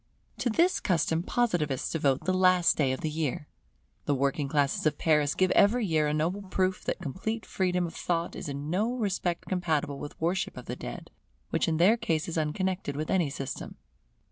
To this custom Positivists devote the last day of the year. The working classes of Paris give every year a noble proof that complete freedom of thought is in no respect compatible with worship of the dead, which in their case is unconnected with any system.